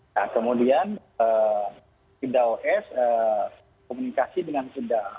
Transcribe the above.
nah kemudian sos komunikasi dengan sos